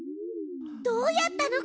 どうやったの？